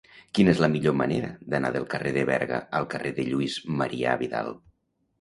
Quina és la millor manera d'anar del carrer de Berga al carrer de Lluís Marià Vidal?